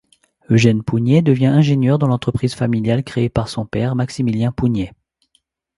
Eugène Pougnet devient ingénieur dans l'entreprise familiale créée par son père Maximilien Pougnet.